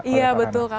iya betul kak